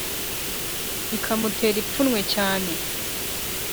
bikamutera ipfunwe cyane.